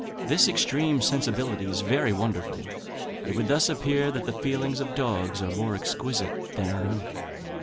This extreme sensibility is very wonderful. It would thus appear that the feelings of dogs are more exquisite than our own.